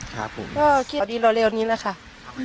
ขอบคุณครับ